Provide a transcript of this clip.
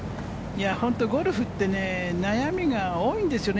本当にゴルフってね、悩みが多いんですよね。